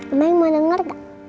om baik mau denger gak